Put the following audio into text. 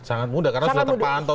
sangat mudah karena sudah terpantau